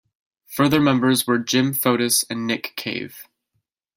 Further members were Jim Foetus and Nick Cave.